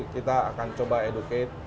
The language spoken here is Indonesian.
kita akan coba educate